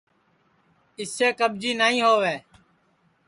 اِسے کٻجی نائی ہؤے